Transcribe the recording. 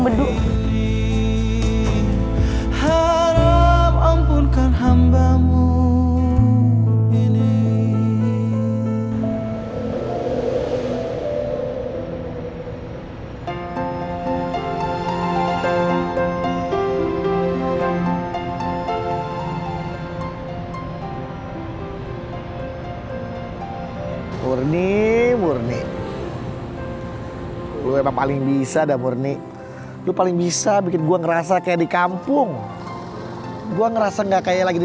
supaya kita bisa ketemu orang lain